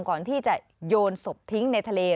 ก่อนที่จะโยนศพทิ้งในทะเล